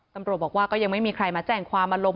ตำรวจบอกว่าก็ยังไม่มีใครมาแจ้งความมาลง